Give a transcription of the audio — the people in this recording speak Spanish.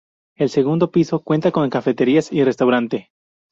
El segundo piso cuenta con cafeterías y restaurante.